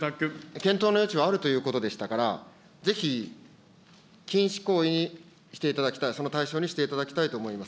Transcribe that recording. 検討の余地はあるということでしたから、ぜひ禁止行為にしていただきたい、その対象にしていただきたいと思います。